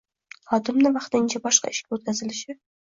xodimni vaqtincha boshqa ishga o‘tkazilishi